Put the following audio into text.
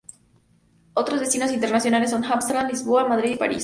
Otros destinos internacionales son Ámsterdam, Lisboa, Madrid, París.